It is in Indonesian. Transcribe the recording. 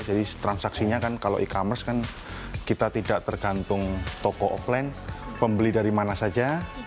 jadi transaksinya kan kalau e commerce kan kita tidak tergantung toko offline pembeli dari mana saja